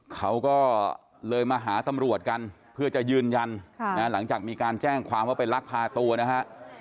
เขาก็เลยมาหาตำรวจกันเพื่อจะยืนยันหลังจากมีการแจ้งความว่าไปลักพาตัวนะฮะ